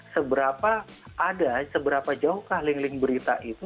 seberapa ada seberapa jauhkah link link berita itu